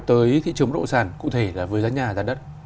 tới thị trường bất động sản cụ thể là với giá nhà giá đất